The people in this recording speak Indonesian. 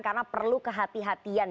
karena perlu kehati hatian